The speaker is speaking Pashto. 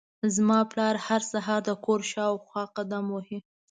زما پلار هر سهار د کور شاوخوا قدم وهي.